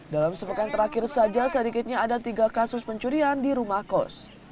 dalam sepekan terakhir saja sedikitnya ada tiga kasus pencurian di rumah kos